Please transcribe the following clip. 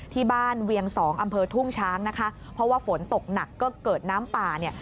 เวียงสองอำเภอทุ่งช้างนะคะเพราะว่าฝนตกหนักก็เกิดน้ำป่าเนี่ย